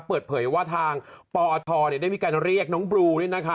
เปิดเผยว่าทางปอเนี้ยได้มีการเรียกน้องบรูนี่นะคะ